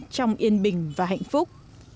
trong yên bình và hạnh phúc